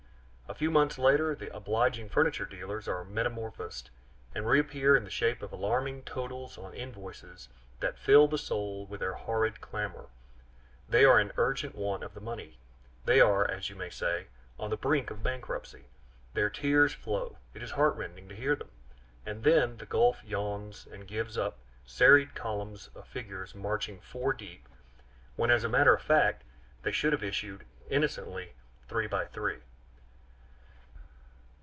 A few months later the obliging furniture dealers are metamorphosed, and reappear in the shape of alarming totals on invoices that fill the soul with their horrid clamor; they are in urgent want of the money; they are, as you may say, on the brink of bankruptcy, their tears flow, it is heartrending to hear them! And then the gulf yawns and gives up serried columns of figures marching four deep; when as a matter of fact they should have issued innocently three by three.